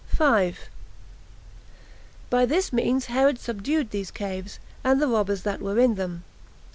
5. By this means Herod subdued these caves, and the robbers that were in them.